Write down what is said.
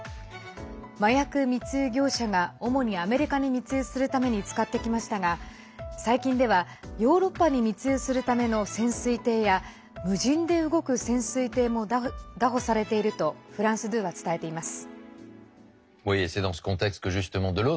麻薬密輸業者が主にアメリカに密輸するために使ってきましたが最近ではヨーロッパに密輸するための潜水艇や無人で動く潜水艇も拿捕されているとフランス２は伝えています。